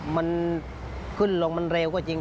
มันขึ้นลงเรวก็จริงจริง